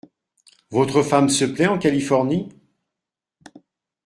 Votre femme se plait en Californie ?